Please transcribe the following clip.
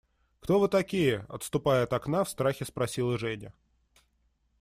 Кто вы такие? – отступая от окна, в страхе спросила Женя.